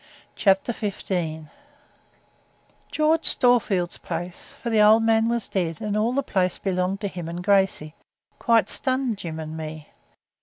Chapter 15 George Storefield's place, for the old man was dead and all the place belonged to him and Gracey, quite stunned Jim and me.